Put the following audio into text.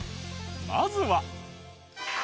まずは。